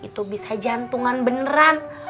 itu bisa jantungan beneran